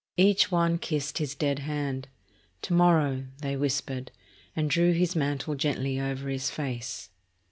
Each one kissed his dead hand. "To morrow," they whispered, and drew his mantle gently over his face.